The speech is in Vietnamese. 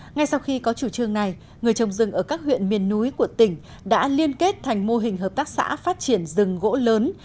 ngay sau khi có chủ trương này người trồng rừng ở các huyện miền núi của tỉnh đã liên kết thành mô hình hợp tác xã phát triển rừng gỗ lớn